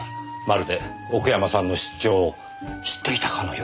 まるで奥山さんの出張を知っていたかのようですねぇ。